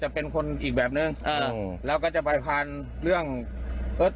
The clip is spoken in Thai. แกชอบกินเขาแบบนึงแล้วก็จะไปพาเรื่องเติ๊ก